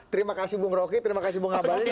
terima kasih bu roky terima kasih bu ngabalin